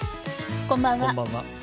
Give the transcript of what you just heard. こんばんは。